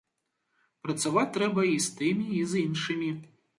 Працаваць трэба і з тымі, і з іншымі.